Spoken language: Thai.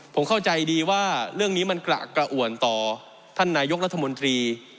ผมเข้าใจดีว่าเรื่องนี้มันกระอ่วนต่อท่านนายกรัฐมนตรี